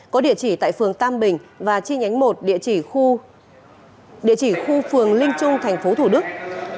có địa chỉ tại phường tam bình và chi nhánh một địa chỉ khu phường linh trung tp hcm